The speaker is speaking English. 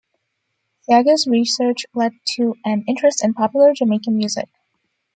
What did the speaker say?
Seaga's research led to an interest in popular Jamaican music.